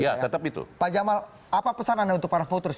ya tetap itu pak jamal apa pesan anda untuk para voters